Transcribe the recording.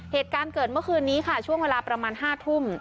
เหตุการณ์เกิดเมื่อคืนนี้ค่ะช่วงเวลาประมาณ๕ทุ่ม